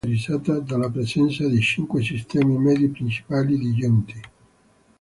La grotta è caratterizzata dalla presenza di cinque sistemi medi principali di giunti.